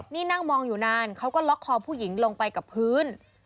นี่นั่งมองอยู่นานเขาก็ล็อกคอผู้หญิงลงไปกับพื้น